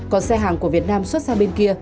có xe hàng của việt nam xuất sang bên kia